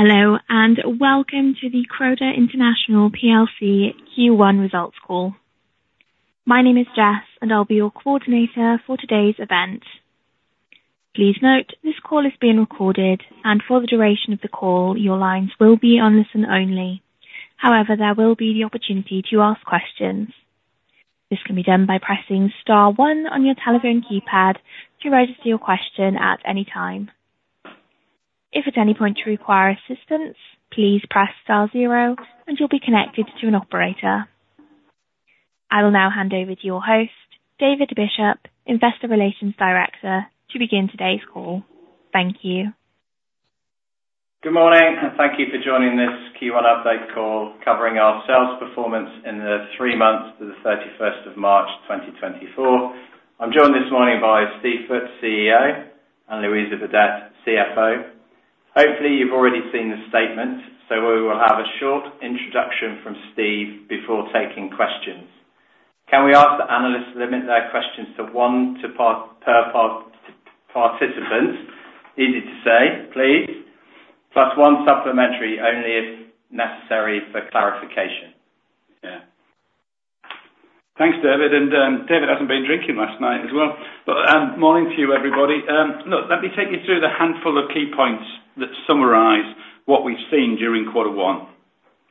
Hello and welcome to the Croda International PLC Q1 Results Call. My name is Jess, and I'll be your coordinator for today's event. Please note, this call is being recorded, and for the duration of the call, your lines will be on listen only. However, there will be the opportunity to ask questions. This can be done by pressing star one on your telephone keypad to register your question at any time. If at any point you require assistance, please press star 0, and you'll be connected to an operator. I will now hand over to your host, David Bishop, Investor Relations Director, to begin today's call. Thank you. Good morning, and thank you for joining this Q1 update call covering our sales performance in the three months to the 31st of March, 2024. I'm joined this morning by Steve Foots, CEO, and Louisa Burdett, CFO. Hopefully, you've already seen the statement, so we will have a short introduction from Steve before taking questions. Can we ask the analysts to limit their questions to one per participant? Easy to say, please. Plus one supplementary only if necessary for clarification. Yeah. Thanks, David. And David hasn't been drinking last night as well. But morning to you, everybody. Look, let me take you through the handful of key points that summarize what we've seen during quarter one.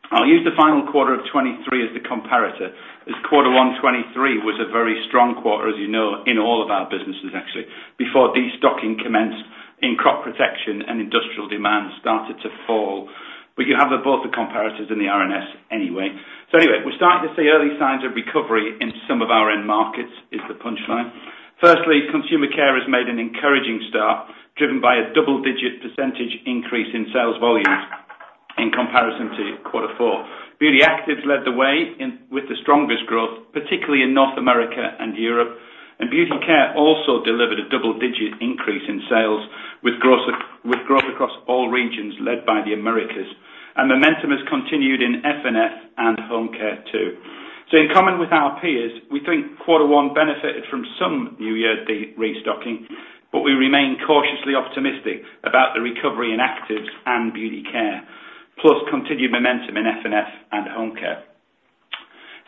I'll use the final quarter of 2023 as the comparator, as quarter one, 2023, was a very strong quarter, as you know, in all of our businesses, actually, before destocking commenced in Crop Protection and industrial demand started to fall. But you have both the comparators and the R&S anyway. So anyway, we're starting to see early signs of recovery in some of our end markets, is the punchline. Firstly, Consumer Care has made an encouraging start, driven by a double-digit percentage increase in sales volumes in comparison to quarter four. Beauty Actives led the way with the strongest growth, particularly in North America and Europe. Beauty Care also delivered a double-digit increase in sales with growth across all regions led by the Americas. Momentum has continued in F&F and Home Care, too. In common with our peers, we think quarter one benefited from some new-year restocking, but we remain cautiously optimistic about the recovery in actives and Beauty Care, plus continued momentum in F&F and Home Care.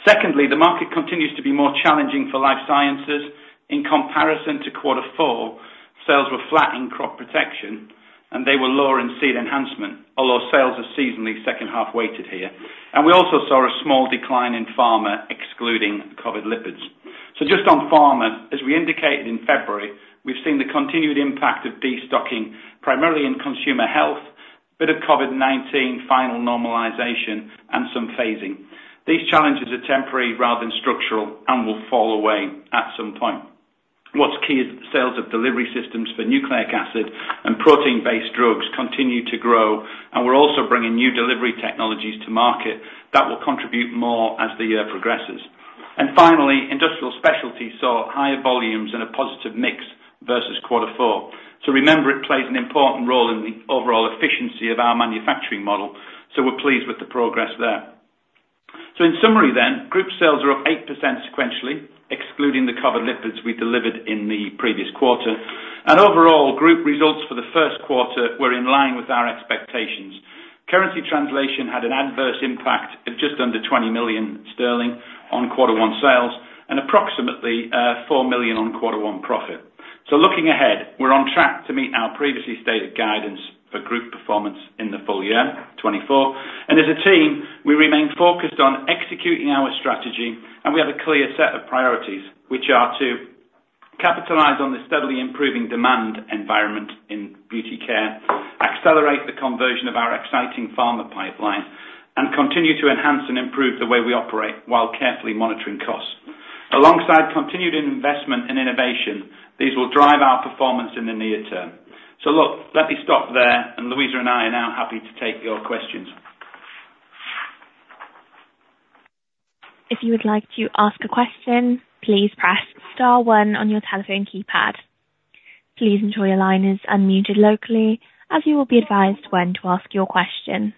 Secondly, the market continues to be more challenging for Life Sciences. In comparison to quarter four, sales were flat in Crop Protection, and they were lower in Seed Enhancement, although sales are seasonally second-half weighted here. We also saw a small decline in Pharma, excluding COVID lipids. Just on Pharma, as we indicated in February, we've seen the continued impact of destocking, primarily in Consumer Health, a bit of COVID-19 final normalization, and some phasing. These challenges are temporary rather than structural and will fall away at some point. What's key is the sales of delivery systems for nucleic acid and protein-based drugs continue to grow, and we're also bringing new delivery technologies to market that will contribute more as the year progresses. And finally, Industrial Specialties saw higher volumes and a positive mix versus quarter four. So remember, it plays an important role in the overall efficiency of our manufacturing model, so we're pleased with the progress there. So in summary, then, group sales are up 8% sequentially, excluding the COVID lipids we delivered in the previous quarter. And overall, group results for the first quarter were in line with our expectations. Currency translation had an adverse impact of just under 20 million sterling on quarter one sales and approximately 4 million on quarter one profit. Looking ahead, we're on track to meet our previously stated guidance for group performance in the full year 2024. As a team, we remain focused on executing our strategy, and we have a clear set of priorities, which are to capitalize on the steadily improving demand environment in beauty care, accelerate the conversion of our exciting pharma pipeline, and continue to enhance and improve the way we operate while carefully monitoring costs. Alongside continued investment and innovation, these will drive our performance in the near term. Look, let me stop there, and Louisa and I are now happy to take your questions. If you would like to ask a question, please press star one on your telephone keypad. Please ensure your line is unmuted locally, as you will be advised when to ask your question.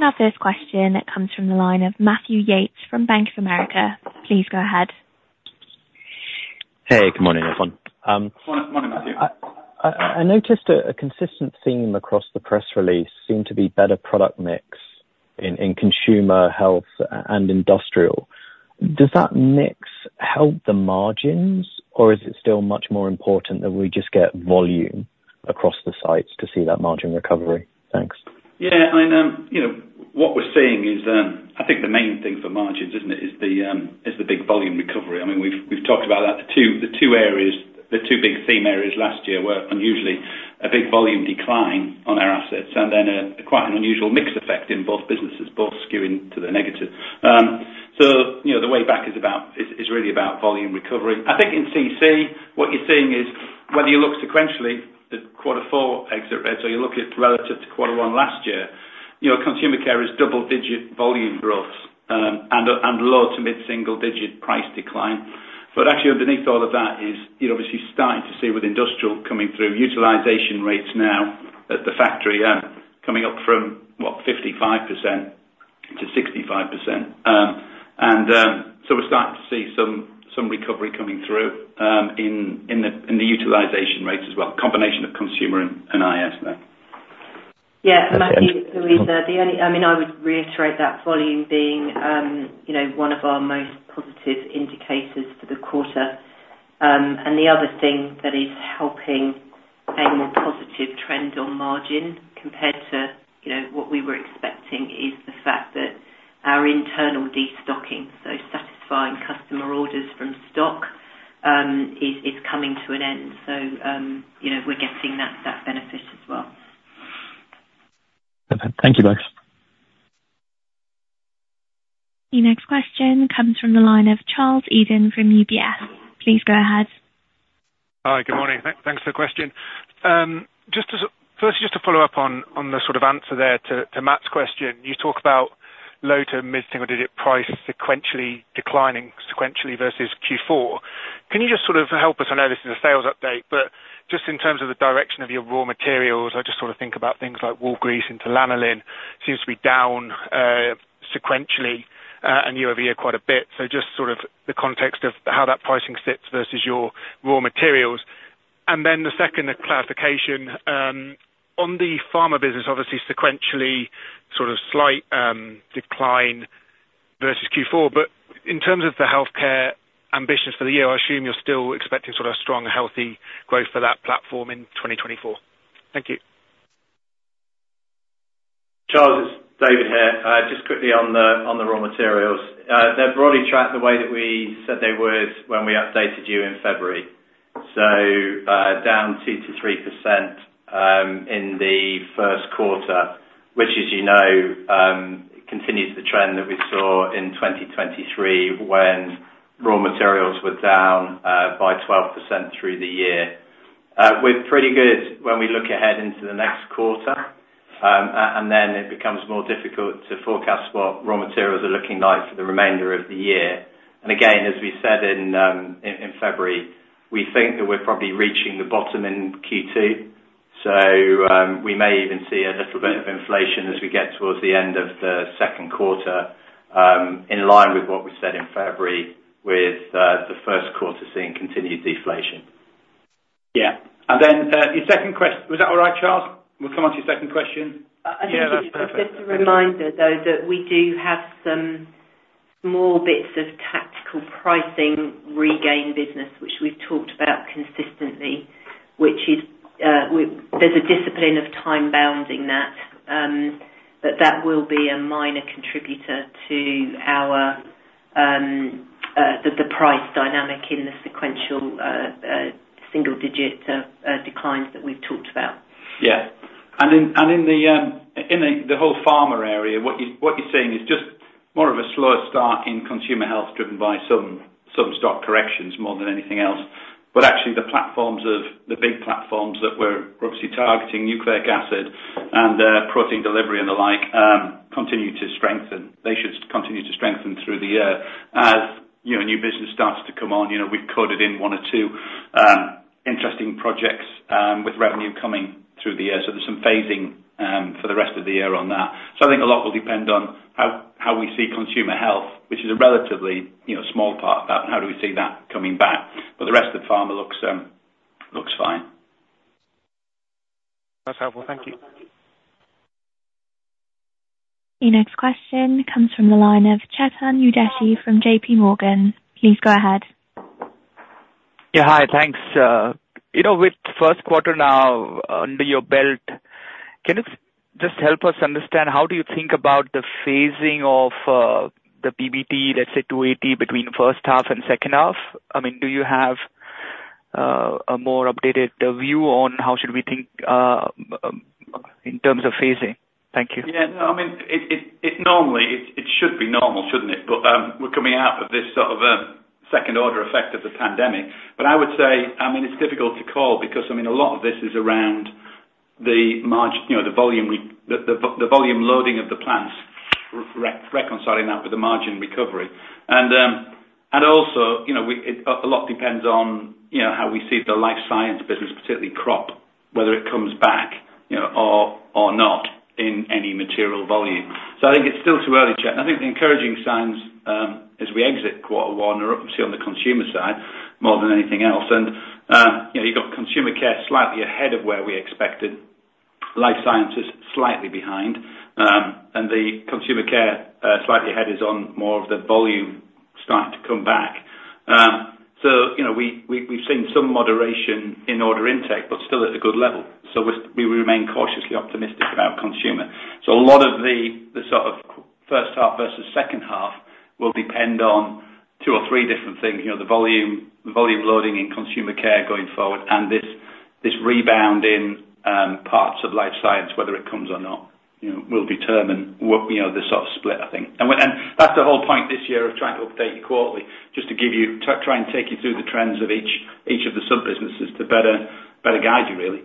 Now, first question, it comes from the line of Matthew Yates from Bank of America. Please go ahead. Hey, good morning, everyone. Morning, Matthew. I noticed a consistent theme across the press release seemed to be better product mix in consumer, health, and industrial. Does that mix help the margins, or is it still much more important that we just get volume across the sites to see that margin recovery? Thanks. Yeah. I mean, what we're seeing is I think the main thing for margins, isn't it, is the big volume recovery. I mean, we've talked about that. The two areas, the two big theme areas last year were unusually a big volume decline on our assets and then quite an unusual mix effect in both businesses, both skewing to the negative. So the way back is really about volume recovery. I think in CC, what you're seeing is whether you look sequentially at quarter four exit rates, or you look at relative to quarter one last year, Consumer Care is double-digit volume growth and low to mid-single-digit price decline. But actually, underneath all of that is you're obviously starting to see with industrial coming through, utilization rates now at the factory coming up from, what, 55%-65%. So we're starting to see some recovery coming through in the utilization rates as well, combination of consumer and IS there. Yeah. Matthew, Louisa, I mean, I would reiterate that volume being one of our most positive indicators for the quarter. And the other thing that is helping a more positive trend on margin compared to what we were expecting is the fact that our internal destocking, so satisfying customer orders from stock, is coming to an end. So we're getting that benefit as well. Perfect. Thank you, both. The next question comes from the line of Charles Eden from UBS. Please go ahead. Hi. Good morning. Thanks for the question. First, just to follow up on the sort of answer there to Matt's question, you talk about low to mid-single-digit price sequentially declining, sequentially versus Q4. Can you just sort of help us? I know this is a sales update, but just in terms of the direction of your raw materials, I just sort of think about things like wool grease into lanolin. It seems to be down sequentially and year-over-year quite a bit. So just sort of the context of how that pricing sits versus your raw materials. Then the second, the clarification. On the pharma business, obviously, sequentially sort of slight decline versus Q4. But in terms of the healthcare ambitions for the year, I assume you're still expecting sort of a strong, healthy growth for that platform in 2024. Thank you. Charles, it's David here. Just quickly on the raw materials. They've broadly tracked the way that we said they were when we updated you in February, so down 2%-3% in the first quarter, which, as you know, continues the trend that we saw in 2023 when raw materials were down by 12% through the year. We're pretty good when we look ahead into the next quarter, and then it becomes more difficult to forecast what raw materials are looking like for the remainder of the year. And again, as we said in February, we think that we're probably reaching the bottom in Q2. So we may even see a little bit of inflation as we get towards the end of the second quarter, in line with what we said in February with the first quarter seeing continued deflation. Yeah. And then your second question was that all right, Charles? We'll come on to your second question. Yeah. It's just a reminder, though, that we do have some small bits of tactical pricing regain business, which we've talked about consistently, which is there's a discipline of time-bounding that. But that will be a minor contributor to the price dynamic in the sequential single-digit declines that we've talked about. Yeah. And in the whole pharma area, what you're seeing is just more of a slower start in consumer health driven by some stock corrections more than anything else. But actually, the big platforms that we're obviously targeting, nucleic acid and protein delivery and the like, continue to strengthen. They should continue to strengthen through the year as new business starts to come on. We've coded in one or two interesting projects with revenue coming through the year. So there's some phasing for the rest of the year on that. So I think a lot will depend on how we see consumer health, which is a relatively small part about how do we see that coming back. But the rest of pharma looks fine. That's helpful. Thank you. The next question comes from the line of Chetan Udeshi from JP Morgan. Please go ahead. Yeah. Hi. Thanks. With first quarter now under your belt, can you just help us understand how do you think about the phasing of the PBT, let's say 280, between first half and second half? I mean, do you have a more updated view on how should we think in terms of phasing? Thank you. Yeah. No. I mean, it should be normal, shouldn't it? But we're coming out of this sort of second-order effect of the pandemic. But I would say, I mean, it's difficult to call because, I mean, a lot of this is around the volume loading of the plants, reconciling that with the margin recovery. And also, a lot depends on how we see the life science business, particularly crop, whether it comes back or not in any material volume. So I think it's still too early, Chetan. I think the encouraging signs as we exit quarter one are obviously on the consumer side more than anything else. And you've got consumer care slightly ahead of where we expected, life sciences slightly behind, and the consumer care slightly ahead is on more of the volume starting to come back. So we've seen some moderation in order intake, but still at a good level. So we remain cautiously optimistic about consumer. So a lot of the sort of first half versus second half will depend on two or three different things, the volume loading in consumer care going forward, and this rebound in parts of life science, whether it comes or not, will determine the sort of split, I think. And that's the whole point this year of trying to update you quarterly, just to try and take you through the trends of each of the sub-businesses to better guide you, really.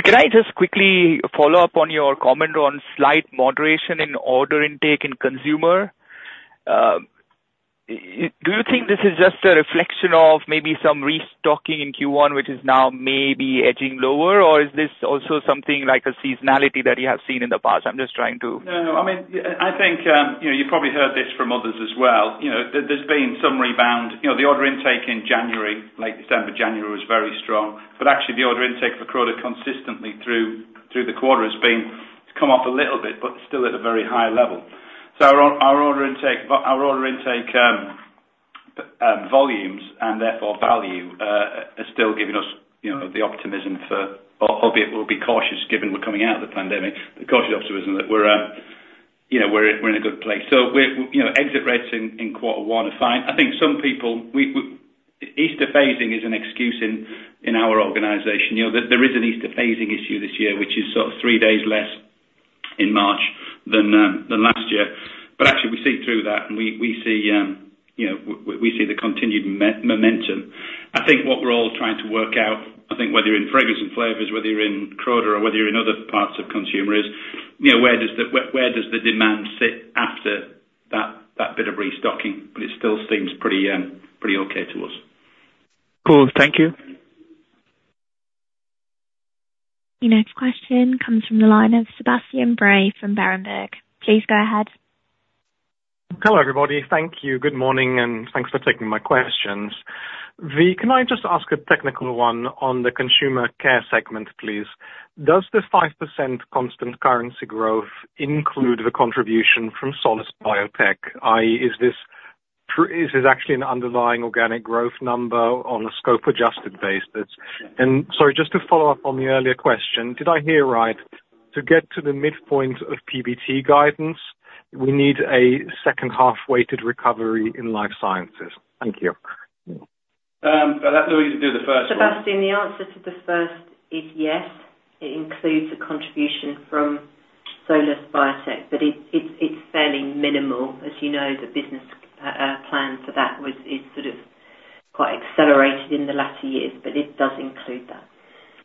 Can I just quickly follow up on your comment on slight moderation in order intake in consumer? Do you think this is just a reflection of maybe some restocking in Q1, which is now maybe edging lower, or is this also something like a seasonality that you have seen in the past? I'm just trying to. No. I mean, I think you've probably heard this from others as well. There's been some rebound. The order intake in late December, January was very strong. But actually, the order intake for COVID consistently through the quarter has come off a little bit, but still at a very high level. So our order intake volumes and therefore value are still giving us the optimism for, albeit we'll be cautious given we're coming out of the pandemic, the cautious optimism that we're in a good place. So exit rates in quarter one are fine. I think some people Easter phasing is an excuse in our organization. There is an Easter phasing issue this year, which is sort of three days less in March than last year. But actually, we see through that, and we see the continued momentum. I think what we're all trying to work out, I think whether you're in fragrance and flavors, whether you're in COVID or whether you're in other parts of consumer, is where does the demand sit after that bit of restocking? But it still seems pretty okay to us. Cool. Thank you. The next question comes from the line of Sebastian Bray from Berenberg. Please go ahead. Hello, everybody. Thank you. Good morning, and thanks for taking my questions. Can I just ask a technical one on the consumer care segment, please? Does the 5% constant currency growth include the contribution from Solus Biotech? Is this actually an underlying organic growth number on a scope-adjusted base? And sorry, just to follow up on the earlier question, did I hear right? To get to the midpoint of PBT guidance, we need a second-half-weighted recovery in life sciences. Thank you. Will that Louisa do the first one? Sebastian, the answer to the first is yes. It includes a contribution from Solus Biotech, but it's fairly minimal. As you know, the business plan for that is sort of quite accelerated in the latter years, but it does include that.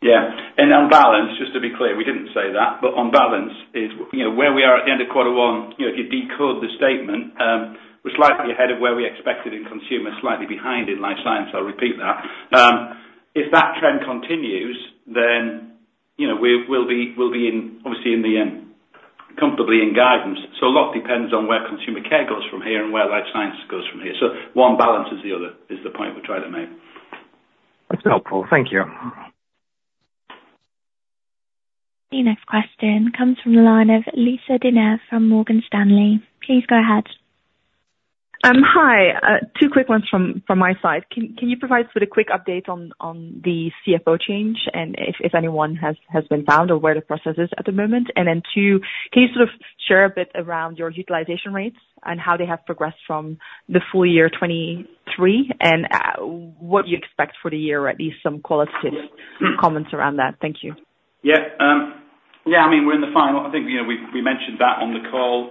Yeah. And on balance, just to be clear, we didn't say that. But on balance, where we are at the end of quarter one, if you decode the statement, we're slightly ahead of where we expected in consumer, slightly behind in life science. I'll repeat that. If that trend continues, then we'll be obviously comfortably in guidance. So a lot depends on where consumer care goes from here and where life science goes from here. So one balances the other is the point we're trying to make. That's helpful. Thank you. The next question comes from the line of Lisa De Neve from Morgan Stanley. Please go ahead. Hi. Two quick ones from my side. Can you provide sort of a quick update on the CFO change and if anyone has been found or where the process is at the moment? And then, two, can you sort of share a bit around your utilization rates and how they have progressed from the full year 2023 and what you expect for the year, or at least some qualitative comments around that? Thank you. Yeah. Yeah. I mean, we're in the final. I think we mentioned that on the call.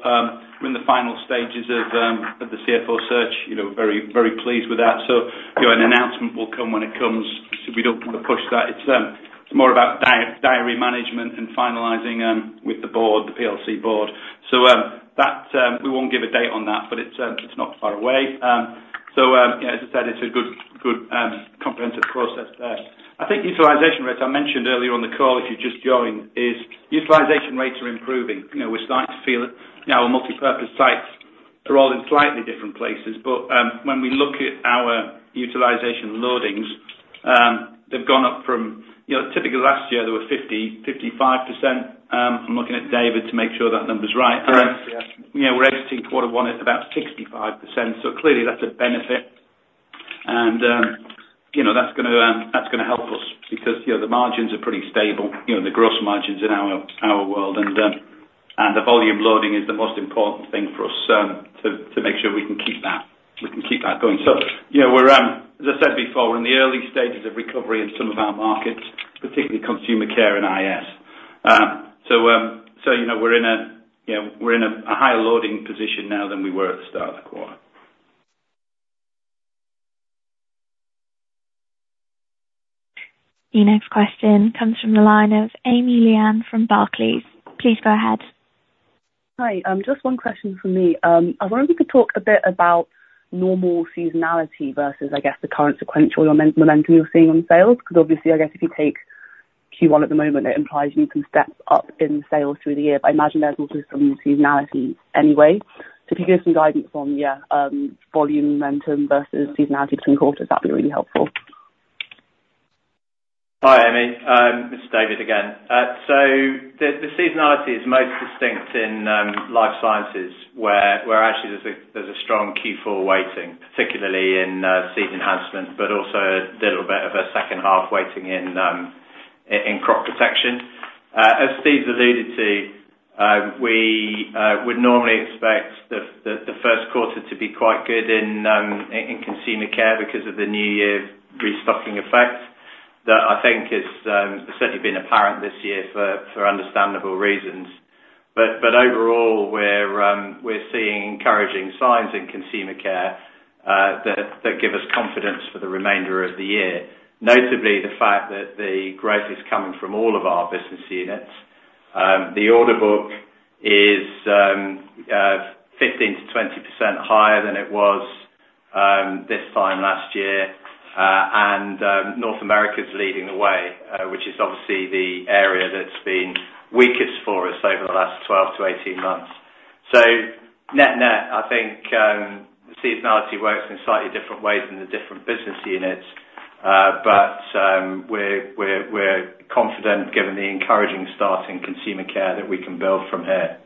We're in the final stages of the CFO search. Very pleased with that. So an announcement will come when it comes. So we don't want to push that. It's more about diary management and finalizing with the board, the PLC board. So we won't give a date on that, but it's not far away. So yeah, as I said, it's a good comprehensive process there. I think utilization rates, I mentioned earlier on the call if you just joined, is utilization rates are improving. We're starting to feel it. Our multipurpose sites are all in slightly different places. But when we look at our utilization loadings, they've gone up from typically last year, they were 50%-55%. I'm looking at David to make sure that number's right. We're exiting quarter one at about 65%. So clearly, that's a benefit. And that's going to help us because the margins are pretty stable, the gross margins in our world. And the volume loading is the most important thing for us to make sure we can keep that going. So as I said before, we're in the early stages of recovery in some of our markets, particularly consumer care and IS. So we're in a higher loading position now than we were at the start of the quarter. The next question comes from the line of Amy Lianne from Barclays. Please go ahead. Hi. Just one question from me. I wonder if we could talk a bit about normal seasonality versus, I guess, the current sequential momentum you're seeing on sales? Because obviously, I guess if you take Q1 at the moment, it implies you need some steps up in sales through the year. But I imagine there's also some seasonality anyway. So if you could give some guidance on, yeah, volume momentum versus seasonality between quarters, that'd be really helpful. Hi, Amy. Mr. David again. So the seasonality is most distinct in Life Sciences where actually there's a strong Q4 weighting, particularly in Seed Enhancement, but also a little bit of a second half weighting in Crop Protection. As Steve's alluded to, we would normally expect the first quarter to be quite good in Consumer Care because of the new year restocking effect that I think has certainly been apparent this year for understandable reasons. But overall, we're seeing encouraging signs in Consumer Care that give us confidence for the remainder of the year, notably the fact that the growth is coming from all of our business units. The order book is 15%-20% higher than it was this time last year. And North America's leading the way, which is obviously the area that's been weakest for us over the last 12 to 18 months. Net-net, I think the seasonality works in slightly different ways in the different business units. We're confident given the encouraging start in consumer care that we can build from here.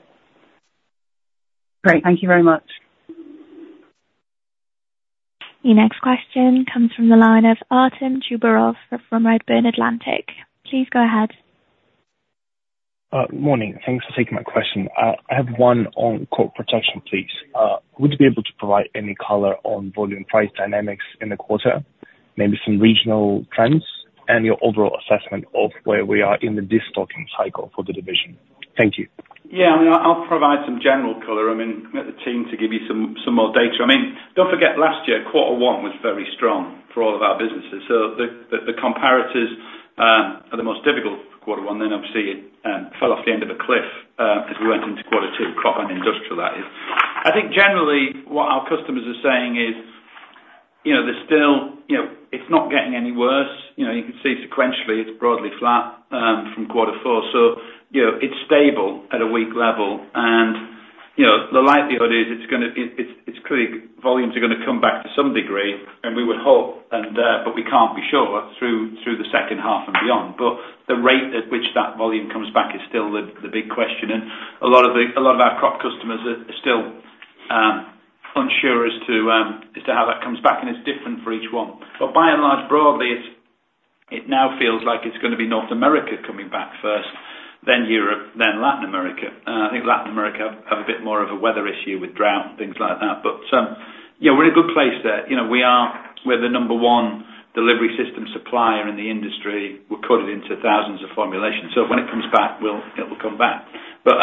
Great. Thank you very much. The next question comes from the line of Artem Chubarov from Redburn Atlantic. Please go ahead. Morning. Thanks for taking my question. I have one on crop protection, please. Would you be able to provide any color on volume price dynamics in the quarter, maybe some regional trends, and your overall assessment of where we are in the destocking cycle for the division? Thank you. Yeah. I mean, I'll provide some general color. I mean, commit the team to give you some more data. I mean, don't forget last year, quarter one was very strong for all of our businesses. So the comparators are the most difficult for quarter one. Then obviously, it fell off the end of a cliff as we went into quarter two, crop and industrial, that is. I think generally, what our customers are saying is there's still. It's not getting any worse. You can see sequentially, it's broadly flat from quarter four. So it's stable at a weak level. And the likelihood is, it's going to. It's clear volumes are going to come back to some degree, and we would hope, but we can't be sure through the second half and beyond. But the rate at which that volume comes back is still the big question. A lot of our crop customers are still unsure as to how that comes back. It's different for each one. But by and large, broadly, it now feels like it's going to be North America coming back first, then Europe, then Latin America. I think Latin America have a bit more of a weather issue with drought and things like that. But yeah, we're in a good place there. We're the number one delivery system supplier in the industry. We're cutting into thousands of formulations. So when it comes back, it will come back. So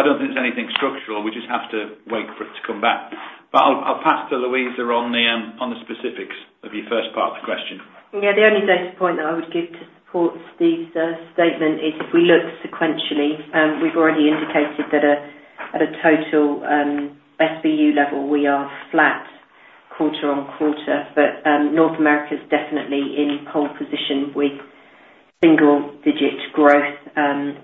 I don't think there's anything structural. We just have to wait for it to come back. But I'll pass to Louisa on the specifics of your first part of the question. Yeah. The only data point that I would give to support Steve's statement is if we look sequentially, we've already indicated that at a total SBU level, we are flat quarter-over-quarter. But North America's definitely in pole position with single-digit growth,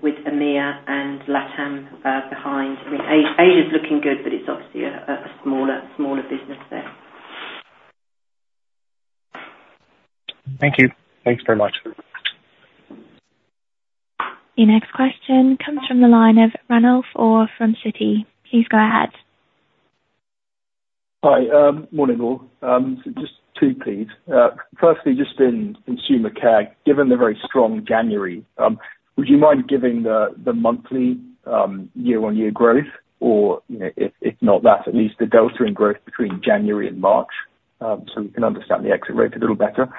with EMEA and LATAM behind. I mean, Asia's looking good, but it's obviously a smaller business there. Thank you. Thanks very much. The next question comes from the line of Ranulf Orr from Citi. Please go ahead. Hi. Morning, all. So just two, please. Firstly, just in consumer care, given the very strong January, would you mind giving the monthly year-over-year growth or if not that, at least the delta in growth between January and March so we can understand the exit rate a little better?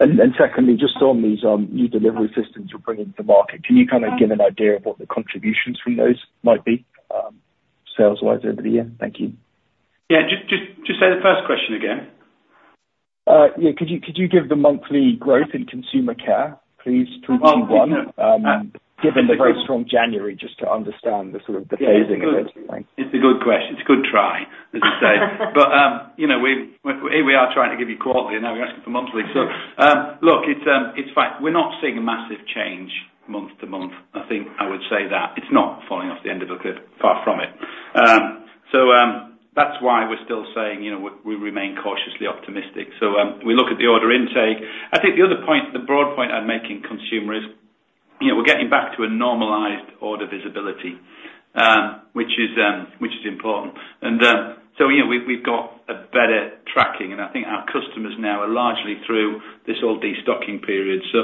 And secondly, just on these new delivery systems you're bringing to market, can you kind of give an idea of what the contributions from those might be sales-wise over the year? Thank you. Yeah. Just say the first question again. Yeah. Could you give the monthly growth in consumer care, please? Through Q1. Given the very strong January, just to understand the sort of the phasing of it. It's a good question. It's a good try, as I say. But we are trying to give you quarterly, and now you're asking for monthly. So look, it's fine. We're not seeing a massive change month to month, I think I would say that. It's not falling off the end of a cliff, far from it. So that's why we're still saying we remain cautiously optimistic. So we look at the order intake. I think the other point, the broad point I'd make in consumer is we're getting back to a normalized order visibility, which is important. And so we've got a better tracking. And I think our customers now are largely through this old destocking period. So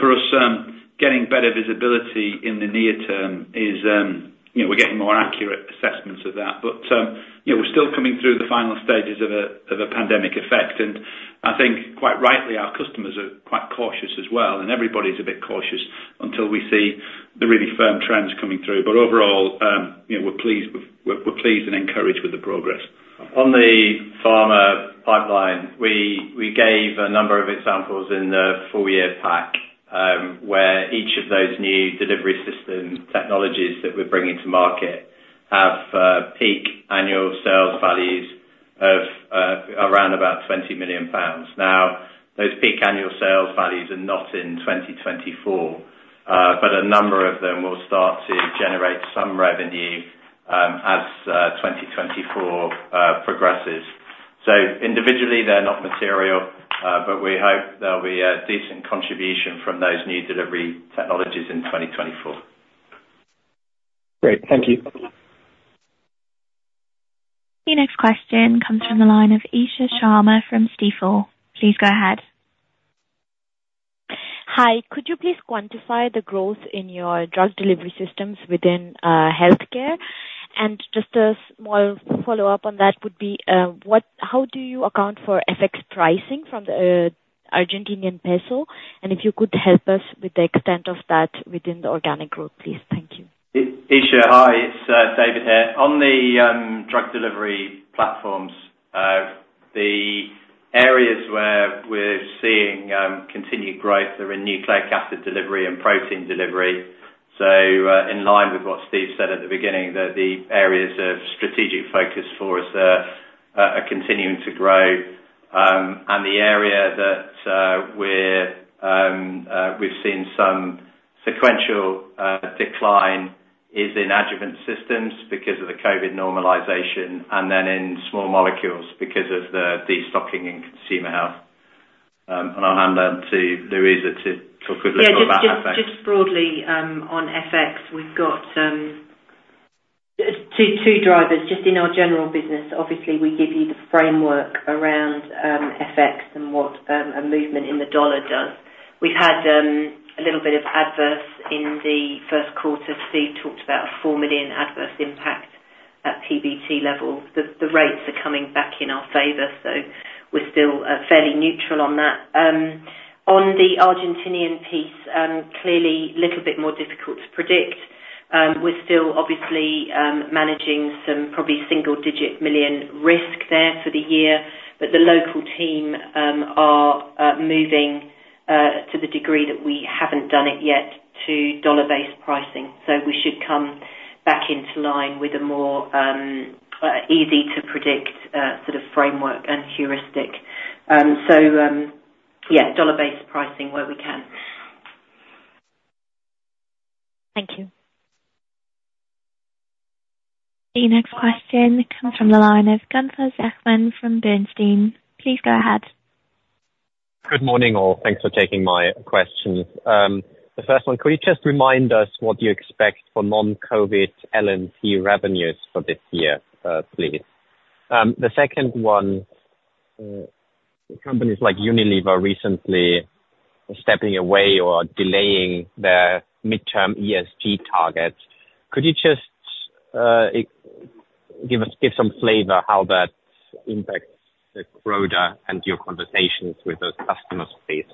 for us, getting better visibility in the near term is we're getting more accurate assessments of that. But we're still coming through the final stages of a pandemic effect. And I think quite rightly, our customers are quite cautious as well. And everybody's a bit cautious until we see the really firm trends coming through. But overall, we're pleased and encouraged with the progress. On the farmer pipeline, we gave a number of examples in the full-year pack where each of those new delivery system technologies that we're bringing to market have peak annual sales values of around about 20 million pounds. Now, those peak annual sales values are not in 2024, but a number of them will start to generate some revenue as 2024 progresses. So individually, they're not material, but we hope there'll be a decent contribution from those new delivery technologies in 2024. Great. Thank you. The next question comes from the line of Isha Sharma from Stifel. Please go ahead. Hi. Could you please quantify the growth in your drug delivery systems within healthcare? And just a small follow-up on that would be, how do you account for FX pricing from the Argentine peso? And if you could help us with the extent of that within the organic growth, please. Thank you. Isha, hi. It's David here. On the drug delivery platforms, the areas where we're seeing continued growth are in nucleic acid delivery and protein delivery. So in line with what Steve said at the beginning, the areas of strategic focus for us are continuing to grow. And the area that we've seen some sequential decline is in adjuvant systems because of the COVID normalization, and then in small molecules because of the destocking in consumer health. And I'll hand that to Louisa to talk a little about FX. Just broadly on FX, we've got two drivers. Just in our general business, obviously, we give you the framework around FX and what a movement in the U.S. dollar does. We've had a little bit of adverse in the first quarter. Steve talked about a 4 million adverse impact at PBT level. The rates are coming back in our favor, so we're still fairly neutral on that. On the Argentinian piece, clearly, a little bit more difficult to predict. We're still obviously managing some probably GBP single-digit million risk there for the year. But the local team are moving to the degree that we haven't done it yet to U.S. dollar-based pricing. So we should come back into line with a more easy-to-predict sort of framework and heuristic. So yeah, U.S. dollar-based pricing where we can. Thank you. The next question comes from the line of Gunther Zechmann from Bernstein. Please go ahead. Good morning, all. Thanks for taking my questions. The first one, could you just remind us what you expect for non-COVID L&T revenues for this year, please? The second one, companies like Unilever recently are stepping away or delaying their midterm ESG targets. Could you just give some flavor how that impacts the Croda and your conversations with those customers, please?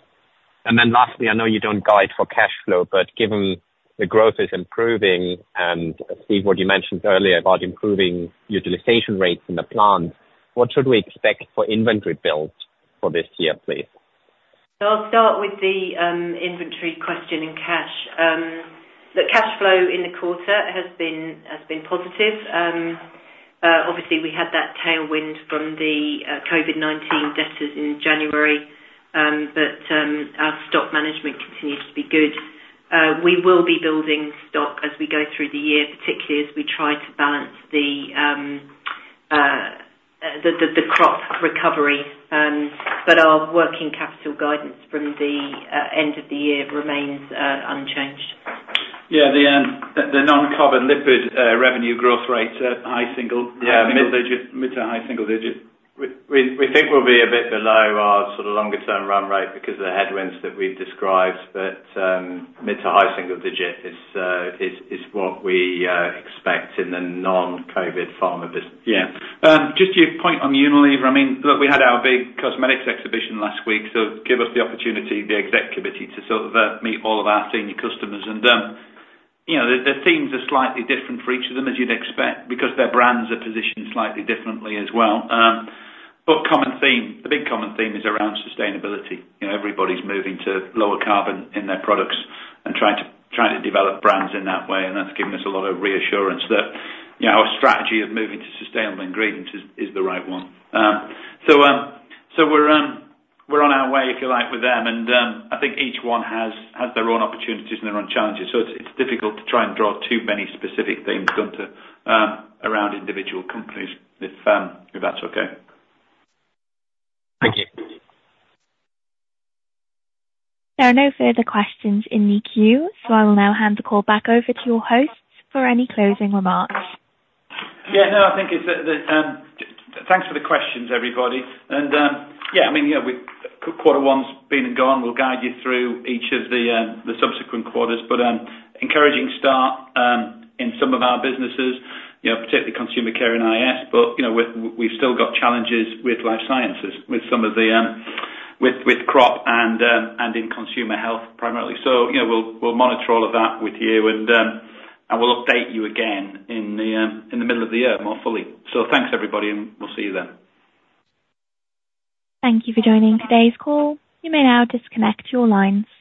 And then lastly, I know you don't guide for cash flow, but given the growth is improving and Steve, what you mentioned earlier about improving utilization rates in the plant, what should we expect for inventory builds for this year, please? I'll start with the inventory question in cash. Look, cash flow in the quarter has been positive. Obviously, we had that tailwind from the COVID-19 debtors in January, but our stock management continues to be good. We will be building stock as we go through the year, particularly as we try to balance the crop recovery. But our working capital guidance from the end of the year remains unchanged. Yeah. The non-COVID lipid revenue growth rate at high single- to mid-single-digit. We think we'll be a bit below our sort of longer-term run rate because of the headwinds that we've described. But mid- to high-single-digit is what we expect in the non-COVID pharma business. Yeah. Just your point on Unilever. I mean, look, we had our big cosmetics exhibition last week. So [it gave] us the opportunity for the executives to sort of meet all of our senior customers. And the themes are slightly different for each of them as you'd expect because their brands are positioned slightly differently as well. But the big common theme is around sustainability. Everybody's moving to lower carbon in their products and trying to develop brands in that way. And that's given us a lot of reassurance that our strategy of moving to sustainable ingredients is the right one. So we're on our way, if you like, with them. And I think each one has their own opportunities and their own challenges. So it's difficult to try and draw too many specific themes, Gunther, around individual companies, if that's okay. Thank you. There are no further questions in the queue, so I will now hand the call back over to your hosts for any closing remarks. Yeah. No, I think that's it. Thanks for the questions, everybody. Yeah, I mean, quarter one's been and gone. We'll guide you through each of the subsequent quarters. But encouraging start in some of our businesses, particularly Consumer Care and IS. But we've still got challenges with Life Sciences, with some of the crop and in Consumer Health primarily. So we'll monitor all of that with you, and we'll update you again in the middle of the year more fully. So thanks, everybody, and we'll see you then. Thank you for joining today's call. You may now disconnect your lines.